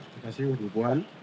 terima kasih bu buan